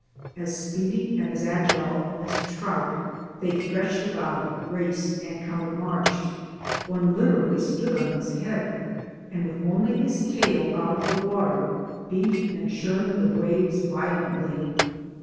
As speedy and as agile as trout, they threshed about, raced, and countermarched. One literally stood on his head, and with only his tail out of the water beat and churned the waves violently.